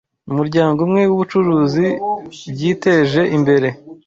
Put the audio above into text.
mumuryango umwe wubucuruzi byiteje imbere